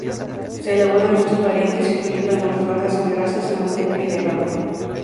Se elaboran muchas variantes, incluyendo algunas bajas en grasa, sin manteca y de helado.